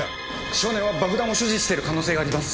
少年は爆弾を所持している可能性があります。